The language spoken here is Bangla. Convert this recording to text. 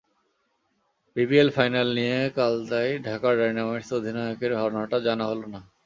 বিপিএল ফাইনাল নিয়ে কাল তাই ঢাকা ডায়নামাইটস অধিনায়কের ভাবনাটা জানা হলো না।